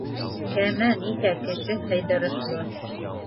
Кәмә нисә кеше һыйҙырышлы?